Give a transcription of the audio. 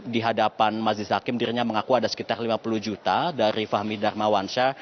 di hadapan majelis hakim dirinya mengaku ada sekitar lima puluh juta dari fahmi darmawansyah